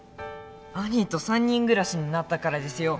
兄と３人暮らしになったからですよ。